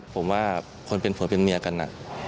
ผมว่าคนเป็นผัวเป็นเมียกัน